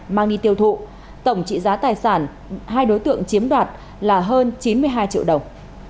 mang đi tiêu thụ tổng trị giá tài sản hai đối tượng chiếm đoạt là hơn chín mươi hai triệu đồng